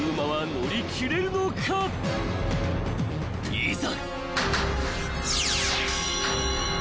［いざ］